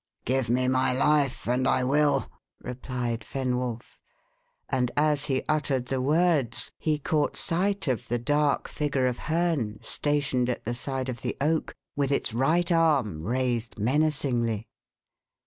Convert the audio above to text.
"Give me my life, and I will," replied Fenwolf. And as he uttered the words, he caught sight of the dark figure of Herne, stationed at the side of the oak, with its right arm raised menacingly.